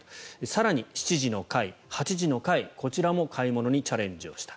更に、７時の回、８時の回こちらも買い物にチャレンジをした。